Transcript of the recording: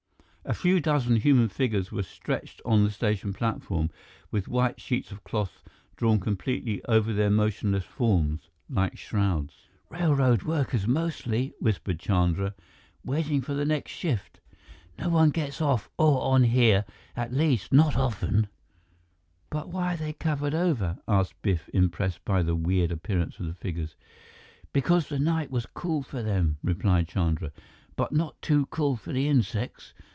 A few dozen human figures were stretched on the station platform, with white sheets of cloth drawn completely over their motionless forms, like shrouds. "Railroad workers, mostly," whispered Chandra, "waiting for the next shift. No one else gets on or off here, at least, not often." "But why are they covered over?" asked Biff, impressed by the weird appearance of the figures. "Because the night was cool for them," replied Chandra, "but not too cool for the insects.